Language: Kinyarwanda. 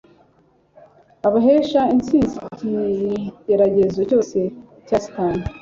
ibahesha intsinzi ku kigeragezo cyose cya Satani